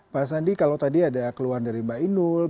pak sandi kalau tadi ada keluhan dari mbak inul